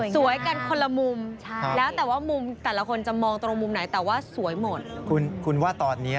สวยกันคนละมุม